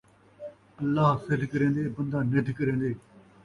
اللہ سدھ کریندے، بندہ ندھ کریندے